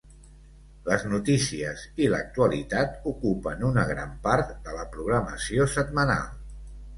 Les notícies i l'actualitat ocupen una gran part de la programació setmanal.